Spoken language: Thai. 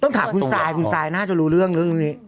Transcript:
ต้องถามคุณสายคุณสายโดยงานง่าจะรู้เรื่องเรื่องนี้